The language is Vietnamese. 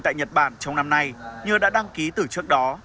tại nhật bản trong năm nay như đã đăng ký từ trước đó